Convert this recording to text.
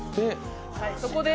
そこで